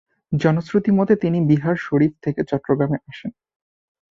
জনশ্রুতি মতে তিনি বিহার শরীফ থেকে চট্টগ্রামে আসেন।